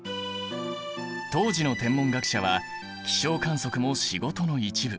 当時の天文学者は気象観測も仕事の一部。